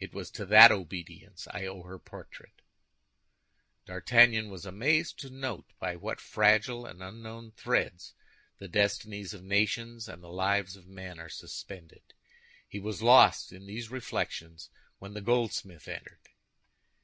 It was to that obedience I owe her portrait." D'Artagnan was amazed to note by what fragile and unknown threads the destinies of nations and the lives of men are suspended. He was lost in these reflections when the goldsmith entered.